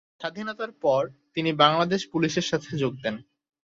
স্বাধীনতার পর তিনি বাংলাদেশ পুলিশের সাথে যোগ দেন।